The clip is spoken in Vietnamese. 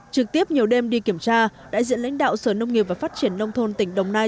trực tiếp nhiều đêm đi kiểm tra đại diện lãnh đạo sở nông nghiệp và phát triển nông thôn tỉnh đồng nai